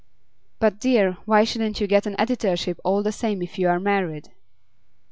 'But, dear, why shouldn't you get an editorship all the same if you are married?